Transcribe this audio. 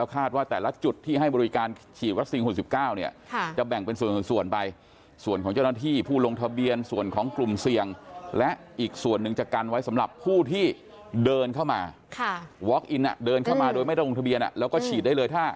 ไม่ต้องลงทะเบียนแล้วก็ฉีดได้เลย